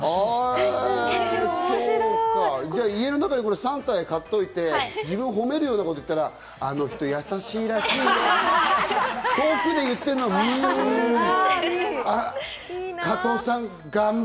毎回違うバージョンになりまじゃあ、家の中で３体買っといて、自分を褒めるようなこと言ったら、「あの人やさしいらしいよ」、遠くで言ってるのを、うん！